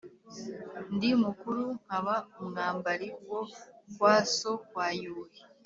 Ndi mukuru nkaba umwambali wo kwa so, kwa Yuhi